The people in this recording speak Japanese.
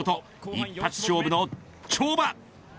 一発勝負の跳馬。